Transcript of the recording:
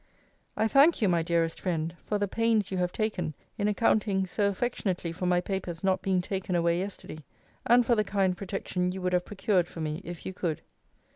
I thank you, my dearest friend, for the pains you have taken in accounting so affectionately for my papers not being taken away yesterday; and for the kind protection you would have procured for me, if you could.